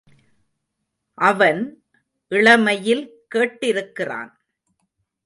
அவன் இளமையில் கேட்டிருக்கிறான்.